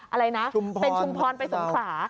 อะไรนะเป็นชุมพรไปสงขลา